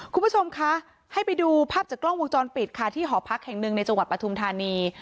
คุณผู้ชมคะให้ไปดูภาพจากกล้องวงจรปิดค่ะที่หอพักแห่งหนึ่งในจังหวัดปฐุมธานี